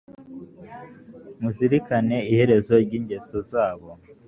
muzirikane iherezo ry ingeso zabo